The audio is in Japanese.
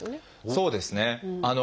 そうですね。